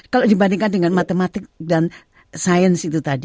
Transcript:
kalau dibandingkan dengan matematik dan sains itu tadi